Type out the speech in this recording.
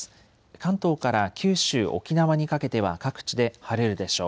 関東から九州沖縄にかけては各地で晴れるでしょう。